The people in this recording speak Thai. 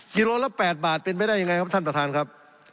กิโลละ๘บาทเป็นไปได้ยังไงครับท่านประธานครับ